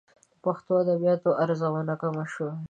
د پښتو ادبياتو ارزونه کمه شوې.